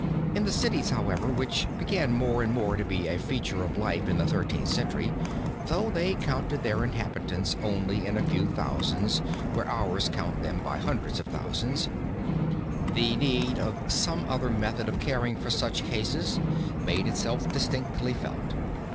In the cities, however, which began more and more to be a feature of life in the Thirteenth Century, though they counted their inhabitants only by a few thousands where ours count them by hundreds of thousands, the need of some other method of caring for such cases made itself distinctly felt.